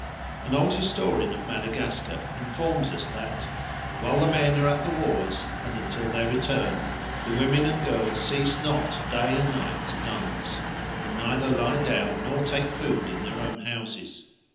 An old historian of Madagascar informs us that "while the men are at the wars, and until their return, the women and girls cease not day and night to dance, and neither lie down nor take food in their own houses.